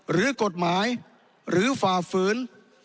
หรือกฎหมายหรือฝ่าฝืน